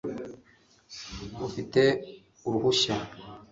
ufite uruhushya